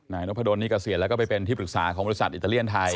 นายนพดลนี่เกษียณแล้วก็ไปเป็นที่ปรึกษาของบริษัทอิตาเลียนไทย